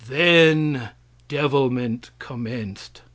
Then devilment commenced.